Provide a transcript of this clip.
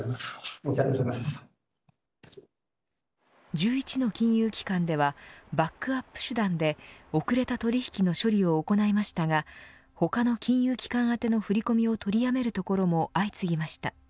１１の金融機関ではバックアップ手段で遅れた取引の処理を行いましたが他の金融機関宛ての振り込みを取りやめるところも相次ぎました。